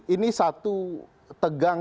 ini satu tegang